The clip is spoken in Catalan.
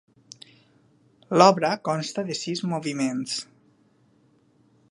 L'obra consta de sis moviments.